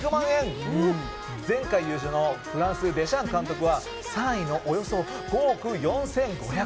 前回優勝のフランスデシャン監督は３位の、およそ５億４５００万円。